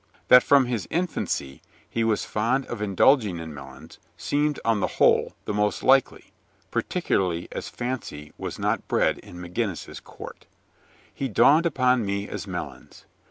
That from his infancy, he was fond of indulging in melons, seemed on the whole the most likely, particularly as Fancy was not bred in McGinnis's Court. He dawned upon me as Melons.